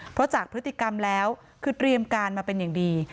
เพราะจากพฤติกรรมแล้วคือเตรียมการมาเป็นอย่างดี